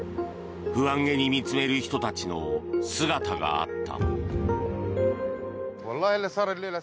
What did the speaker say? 不安げに見つめる人たちの姿があった。